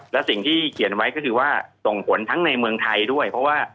และสิ่งที่เขียนไว้ก็คือว่าส่งผลทั้งในเมืองไทยด้วยเพราะว่า